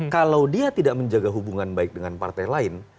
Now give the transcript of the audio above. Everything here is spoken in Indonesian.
kalau dia tidak menjaga hubungan baik dengan partai lain